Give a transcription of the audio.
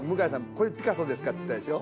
「これピカソですか？」って言ったでしょ。